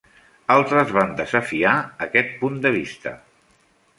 Altres van desafiar aquest punt de vista.